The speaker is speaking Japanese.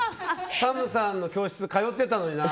ＳＡＭさんの教室通ってたのにな。